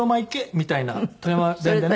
みたいな富山弁でね。